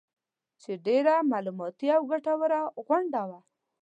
چې ډېره معلوماتي او ګټوره غونډه وه